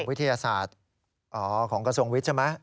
วิทยาศาสตร์ของกระทรวงวิทย์ใช่ไหม